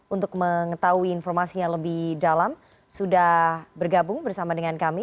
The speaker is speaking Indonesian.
untuk mengetahui informasinya lebih dalam sudah bergabung bersama dengan kami